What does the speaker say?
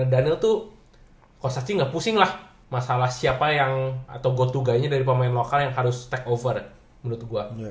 dan daniel tuh coach cacing nggak pusing lah masalah siapa yang atau gotu guy nya dari pemain lokal yang harus take over menurut gue